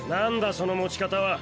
その持ち方は。